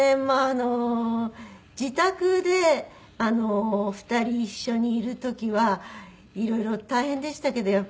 まああの自宅で２人一緒にいる時はいろいろ大変でしたけど